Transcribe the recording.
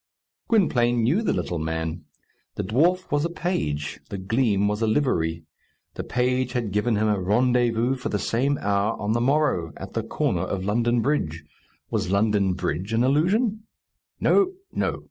Gwynplaine knew the little man. The dwarf was a page. The gleam was a livery. The page had given him a rendezvous for the same hour on the morrow, at the corner of London Bridge. Was London Bridge an illusion? No, no.